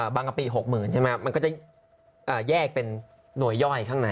กะปิ๖๐๐๐ใช่ไหมมันก็จะแยกเป็นหน่วยย่อยข้างใน